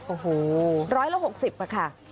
โอ้โหร้อยละ๖๐บาทค่ะ